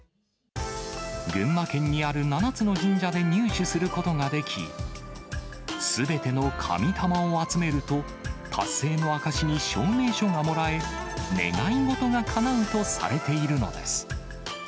群馬県にある７つの神社で入手することができ、すべての神玉を集めると、達成の証しに証明書がもらえ、願い事がかなうとされているのです。